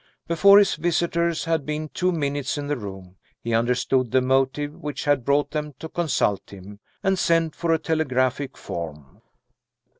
Before his visitors had been two minutes in the room, he understood the motive which had brought them to consult him, and sent for a telegraphic form.